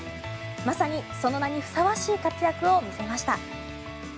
まさにその名にふさわしい活躍を見せました。